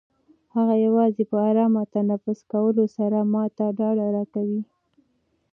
هغه یوازې په ارامه تنفس کولو سره ما ته ډاډ راکوي.